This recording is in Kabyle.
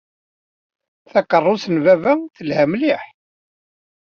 Takeṛṛust n baba telha mliḥ.